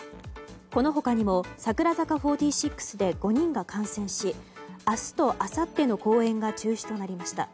この他にも櫻坂４６で５人が感染し明日とあさっての公演が中止となりました。